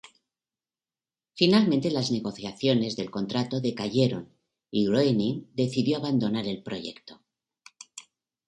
Finalmente, las negociaciones del contrato decayeron y Groening decidió abandonar el proyecto.